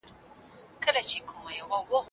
ښځه یوازي د کور کارونو لپاره نه ده.